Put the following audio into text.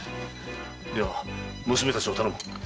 では娘たちを頼む。